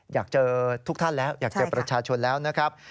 อยากเจอทุกท่านแล้วอยากเจอประชาชนแล้วนะครับ